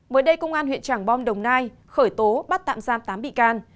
mới đây công an huyện trảng bom đồng nai khởi tố bắt tạm giam tám bị can